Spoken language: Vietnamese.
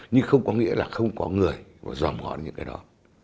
nhưng không có nghĩa là không có người và dòm ngọn những cái đó